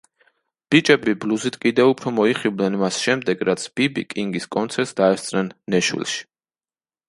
ბიჭები ბლუზით კიდევ უფრო მოიხიბლნენ მას შემდეგ, რაც ბი ბი კინგის კონცერტს დაესწრნენ ნეშვილში.